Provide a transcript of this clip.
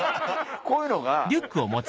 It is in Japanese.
こういうのが。